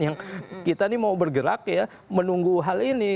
yang kita ini mau bergerak ya menunggu hal ini